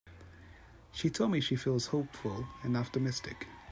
She told me she feels hopeful and optimistic.